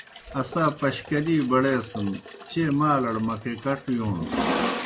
اسا پشکَلی بڑیسَن چیئے مالڑ مکئے کڇ یوݨَس۔